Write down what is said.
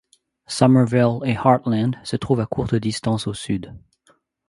Somerville et Hartland se trouvent à courte distance au sud.